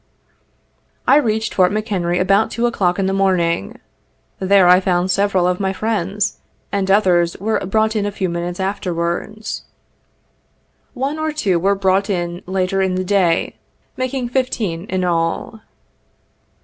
I reached Fort McHenry about 2 o'clock in the morning. There I found several of my friends, and others were brought in a few minutes afterwards. One or two were brought in later in the day, making fifteen in all.